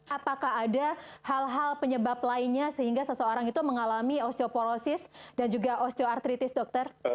apakah ada hal hal penyebab lainnya sehingga seseorang itu mengalami osteoporosis dan juga osteoartritis dokter